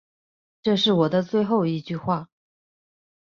这是我的最后一句话